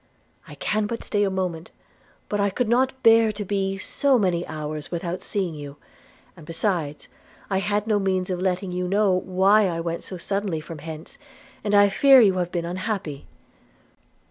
I can stay but a moment; but I could not bear to be so many hours without seeing you; and besides, I had no means of letting you know why I went so suddenly from hence, and I fear you have been unhappy.'